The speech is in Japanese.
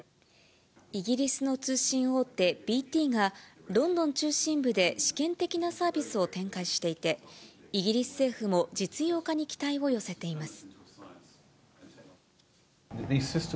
イギリスの通信大手、ＢＴがロンドン中心部で試験的なサービスを展開していて、イギリス政府も実用化に期待を寄せています。